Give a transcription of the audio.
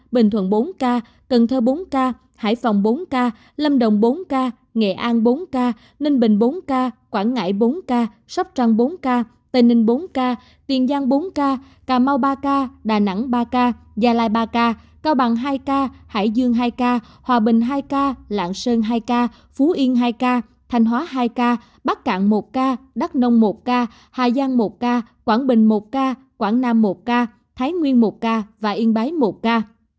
bình thuận bốn ca cần thơ bốn ca hải phòng bốn ca lâm đồng bốn ca nghệ an bốn ca ninh bình bốn ca quảng ngãi bốn ca sóc trăng bốn ca tây ninh bốn ca tiền giang bốn ca cà mau ba ca đà nẵng ba ca gia lai ba ca cao bằng hai ca hải dương hai ca hòa bình hai ca lạng sơn hai ca phú yên hai ca thành hóa hai ca bắc cạn một ca đắk nông một ca hà giang một ca quảng bình một ca quảng nam một ca thái nguyên một ca và yên bái một ca